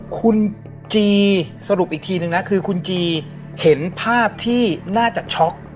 คุณจีสรุปอีกทีนึงนะคือคุณจีเห็นภาพที่น่าจะช็อก